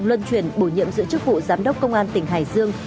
luân chuyển bổ nhiệm giữ chức vụ giám đốc công an tỉnh hải dương